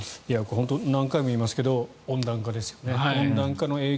何回も言いますが温暖化ですよね。